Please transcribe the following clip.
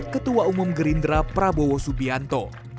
ketua umum gerindra prabowo subianto